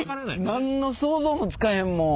何の想像もつかへんもん。